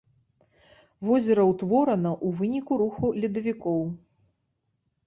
Возера ўтворана ў выніку руху ледавікоў.